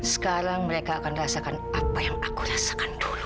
sekarang mereka akan rasakan apa yang aku rasakan